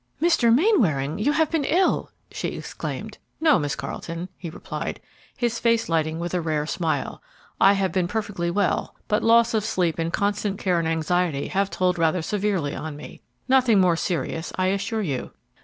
"Mr. Mainwaring, you have been ill!" she exclaimed. "No, Miss Carleton," he replied, his face lighting with a rare smile; "I have been perfectly well, but loss of sleep and constant care and anxiety have told rather severely on me. Nothing more serious, I assure you."